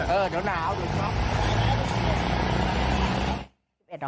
เออเดี๋ยวหนาว